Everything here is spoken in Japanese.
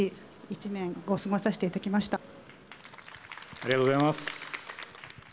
ありがとうございます。